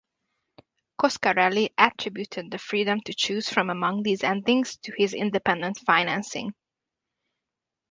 Coscarelli attributed the freedom to choose from among these endings to his independent financing.